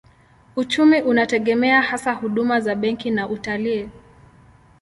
Uchumi unategemea hasa huduma za benki na utalii.